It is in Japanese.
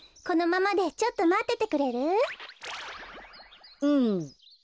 このままでちょっとまっててくれる？